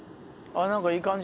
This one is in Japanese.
何かいい感じやん。